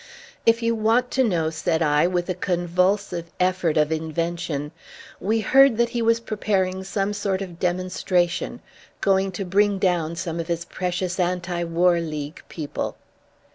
"If you want to know," said I, with a convulsive effort of invention, "we heard that he was preparing some sort of demonstration, going to bring down some of his precious anti war league people."